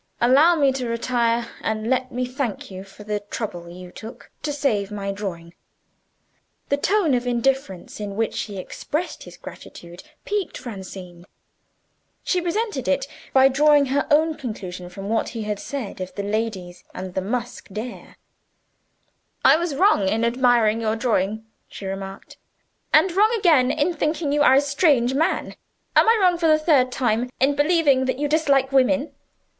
Allow me to retire and let me thank you for the trouble you took to save my drawing." The tone of indifference in which he expressed his gratitude piqued Francine. She resented it by drawing her own conclusion from what he had said of the ladies and the musk deer. "I was wrong in admiring your drawing," she remarked; "and wrong again in thinking you a strange man. Am I wrong, for the third time, in believing that you dislike women?"